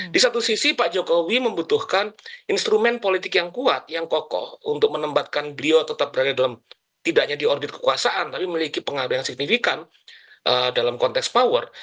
di satu sisi pak jokowi membutuhkan instrumen politik yang kuat yang kokoh untuk menembatkan beliau tetap berada dalam tidaknya di ordir kekuasaan tapi memiliki pengaruh yang signifikan dalam konteks power